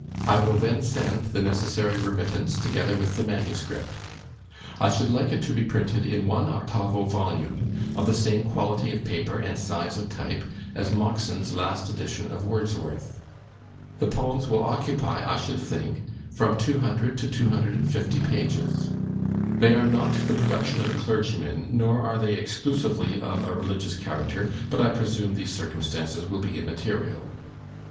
I will then send the necessary remittance, together with the manuscript. I should like it to be printed in one octavo volume, of the same quality of paper and size of type as Moxon's last edition of Wordsworth. The poems will occupy, I should think, from 200 to 250 pages. They are not the production of a clergyman, nor are they exclusively of a religious character; but I presume these circumstances will be immaterial.